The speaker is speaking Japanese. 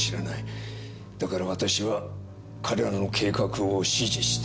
だから私は彼らの計画を支持した。